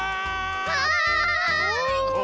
はい！